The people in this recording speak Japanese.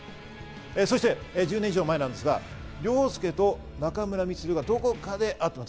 そして１０年以上前なんですが、凌介と中村充がどこかで会ってます。